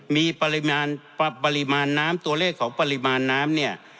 มีปริมาณน้ำตัวเลขของปริมาณน้ำเนี่ย